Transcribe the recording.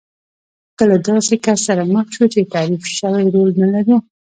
که له داسې کس سره مخ شو چې تعریف شوی رول نه لرو.